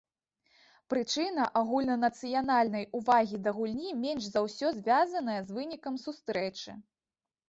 Прычына агульнанацыянальнай увагі да гульні менш за ўсё звязаная з вынікам сустрэчы.